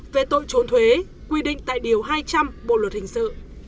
về tội trốn thuế quy định tại điều hai trăm linh bộ luật hình sự